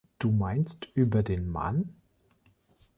Du meinst über den Mann?